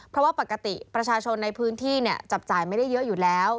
เพราะว่าปกติประชาชนในพื้นที่จับจ่ายไม่ได้เยอะอยู่แล้ว